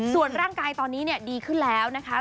ส่วนร่างกายตอนนี้ดีขึ้นแล้วนะคะ